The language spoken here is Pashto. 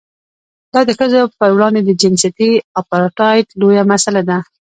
دا د ښځو پر وړاندې د جنسیتي اپارټایډ لویه مسله ده.